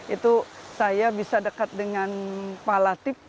itu saya bisa dekat dengan palatif